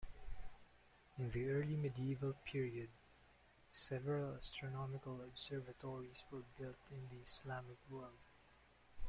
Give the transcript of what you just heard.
In the early medieval period, several astronomical observatories were built in the Islamic world.